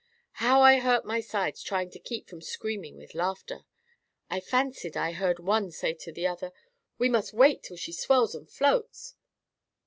How I hurt my sides trying to keep from screaming with laughter! I fancied I heard one say to the other, 'We must wait till she swells and floats?